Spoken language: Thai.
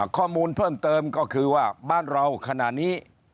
ข้อมูลเพิ่มเติมก็คือว่าบ้านเราขณะนี้